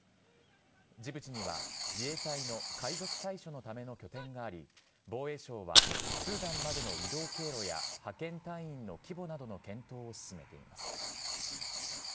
ジブチには自衛隊の海賊対処のための拠点があり防衛省はスーダンまでの移動経路や派遣隊員の規模などの検討を進めています。